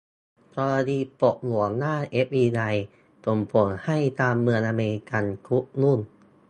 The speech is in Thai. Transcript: กรณีปลดหัวหน้า เอฟบีไอ ส่งผลให้ การเมืองอเมริกัน คุกรุ่น